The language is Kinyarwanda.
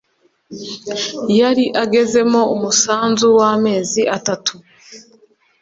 yari agezemo umusanzu w amezi atatu